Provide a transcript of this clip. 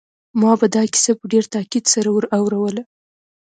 ما به دا کیسه په ډېر تاکید سره ور اوروله